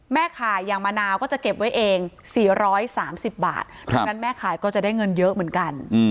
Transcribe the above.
แม่ขายอย่างมะนาวก็จะเก็บไว้เอง๔๓๐บาทดังนั้นแม่ขายก็จะได้เงินเยอะเหมือนกัน